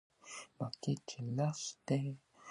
No ngiɗruɗaa kusel fuu, a yakkataa ɗemngal maa.